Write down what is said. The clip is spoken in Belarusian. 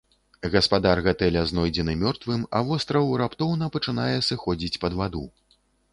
Гаспадар гатэля знойдзены мёртвым, а востраў раптоўна пачынае сыходзіць пад ваду.